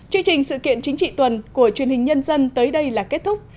chương trình sự kiện chính trị tuần của truyền hình nhân dân tới đây là kết thúc